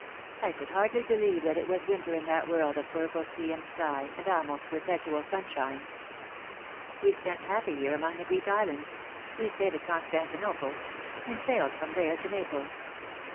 I could hardly believe that it was winter in that world of purple sea and sky and almost perpetual sunshine. We spent half a year among the Greek islands — we stayed at Constantinople — and sailed from there to Naples.